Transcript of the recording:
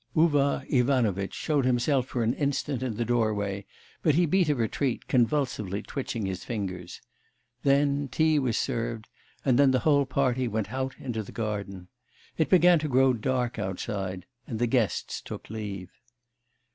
Uvar Ivanovitch showed himself for an instant in the doorway, but he beat a retreat, convulsively twitching his fingers. Then tea was served; and then the whole party went out into the garden.... It began to grow dark outside, and the guests took leave.